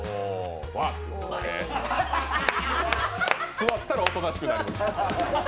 座ったら大人しくなります。